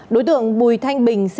đối tượng bùi thanh bình